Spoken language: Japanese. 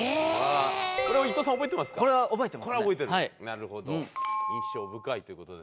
なるほど印象深いという事で。